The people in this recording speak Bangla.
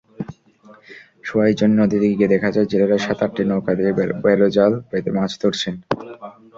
সোয়াইজনী নদীতে গিয়ে দেখা যায়, জেলেরা সাত-আটটি নৌকা দিয়ে বেড়জাল পেতে মাছ ধরছেন।